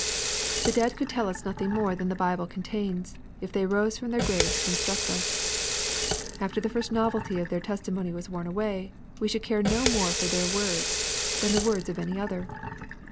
The dead could tell us nothing moro 4 216 EXPOSITOBr THOUGHTS. than the Bible contains, if they rose from their graves to iufitruct us. After the first novelty of their testi mony was worn away, we should care no more for theii words than the words of any other.